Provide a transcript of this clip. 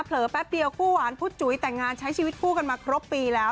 อแป๊บเดียวคู่หวานพุทธจุ๋ยแต่งงานใช้ชีวิตคู่กันมาครบปีแล้ว